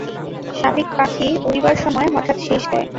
শাপিক পাথি উড়িবার সময় হঠাৎ শিস দেয়।